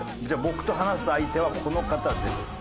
じゃあ僕と話す相手はこの方です。